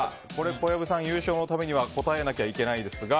小籔さん、優勝のためには答えなきゃいけないですが。